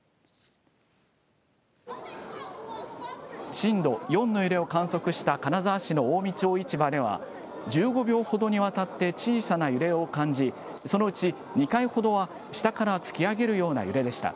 震度４の揺れを観測した金沢市の近江町市場１５秒ほどにわたって小さな揺れを感じ、ではそのうち、２回ほどは下から突き上げるような揺れでした。